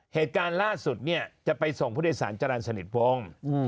เหตุการณ์ล่าสุดเนี่ยจะไปส่งผู้โดยสารจรรย์สนิทวงศ์